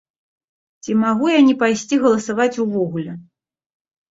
Ці магу я не пайсці галасаваць увогуле?